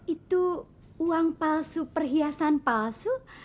itu uang palsu perhiasan palsu